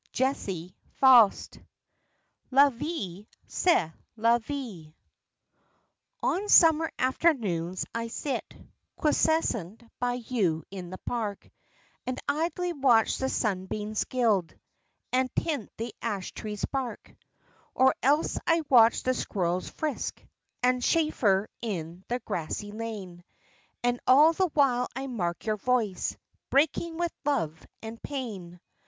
Jessie Fauset LA VIE C'EST LA VIE On summer afternoons I sit Quiescent by you in the park, And idly watch the sunbeams gild And tint the ash trees' bark. Or else I watch the squirrels frisk And chaffer in the grassy lane; And all the while I mark your voice Breaking with love and pain.